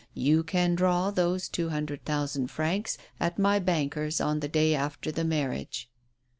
You can draw those two hun dred thousand francs at my bankers' on the day after the marriage."